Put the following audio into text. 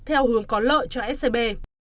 theo hướng có lợi cho scb